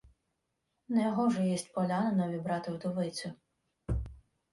— Негоже єсть полянинові брати вдовицю.